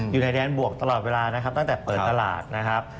อยู่ในแดนบวกตลอดเวลานะครับตั้งแต่เปิดตลาดนะครับ